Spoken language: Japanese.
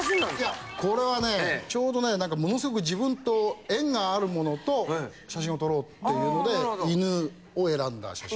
いやこれはねちょうどねものすごく自分と縁があるものと写真を撮ろうっていうので犬を選んだ写真。